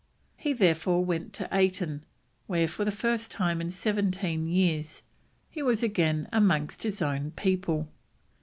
He therefore went to Ayton, where for the first time for seventeen years he was again amongst his own people.